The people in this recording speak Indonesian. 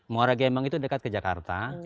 muara gembang itu dekat ke jakarta